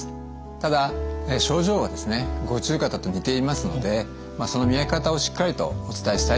ただ症状は五十肩と似ていますのでその見分け方をしっかりとお伝えしたいと思います。